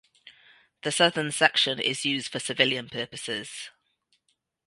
The southern section is used for civilian purposes.